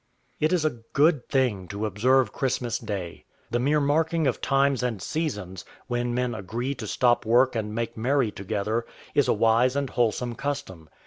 _ It is a good thing to observe Christmas day. The mere marking of times and seasons, when men agree to stop work and make merry together, is a wise and wholesome custom.